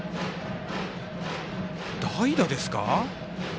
代打ですか。